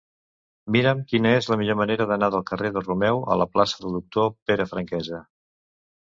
Mira'm quina és la millor manera d'anar del carrer del Romeu a la plaça del Doctor Pere Franquesa.